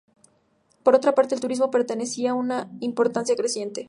Por otra parte, el turismo presenta una importancia creciente.